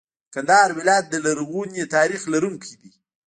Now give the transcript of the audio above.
کندهار ولایت د لرغوني تاریخ لرونکی دی.